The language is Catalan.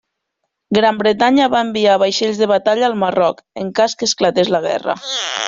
Gran Bretanya va enviar vaixells de batalla al Marroc, en cas que esclatés la guerra.